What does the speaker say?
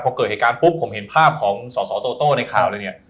พอเกิดเหตุการณ์ปุ๊บผมเห็นภาพของสอสอโตโต้ในข่าวเลยเนี่ย